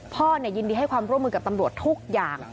พ่อยินดีให้ความร่วมมือกับตำรวจทุกอย่าง